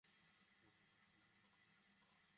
তবে ভাগ্যবশত, আমাদের শিরায় পাইরেটের রক্ত বইছে।